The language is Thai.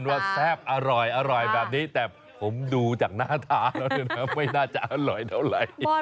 เหมือนกันว่าแซ่บอร่อยแบบนี้แต่ผมดูจากหน้าท้าไม่น่าจะอร่อยเท่าไหร่